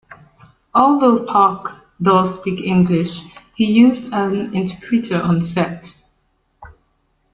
Although Park does speak English, he used an interpreter on set.